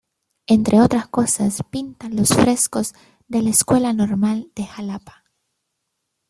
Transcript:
Entre otras cosas pinta los frescos de la Escuela Normal de Jalapa.